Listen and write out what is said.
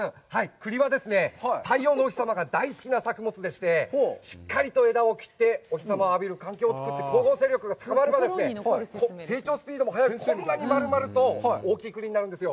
栗はですね、太陽のお日様が大好きな作物でして、しっかりと枝を切って、お日様を浴びる環境をつくって、光合力が高まれば、成長スピードも早く、こんなに丸々と大きい栗になるんですよ。